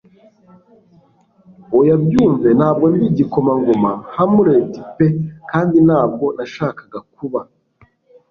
Oya byumve Ntabwo ndi igikomangoma Hamlet pe kandi ntabwo nashakaga kuba;